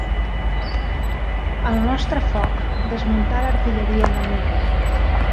El nostre foc desmuntà l'artilleria enemiga.